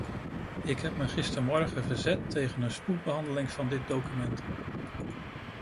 Ik heb me gistermorgen verzet tegen een spoedbehandeling van dit document.